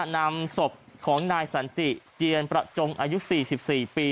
นำศพของนายสันติเจียนประจงอายุ๔๔ปี